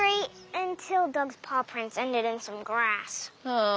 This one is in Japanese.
ああ。